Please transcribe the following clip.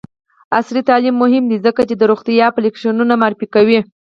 عصري تعلیم مهم دی ځکه چې د روغتیا اپلیکیشنونه معرفي کوي.